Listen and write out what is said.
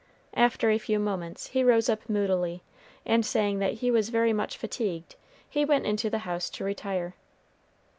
After a few moments, he rose up moodily, and saying that he was very much fatigued, he went into the house to retire.